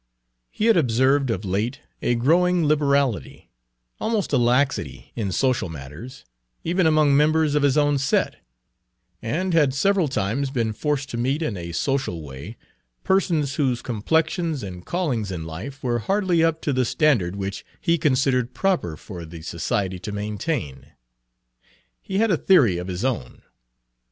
He had observed of late a growing liberality, almost a laxity, in social matters, even among members of his own set, and had several times been forced to meet in a social way persons whose complexions and callings in life were hardly up to the standard which he considered proper for the society to maintain. He had a theory of his own.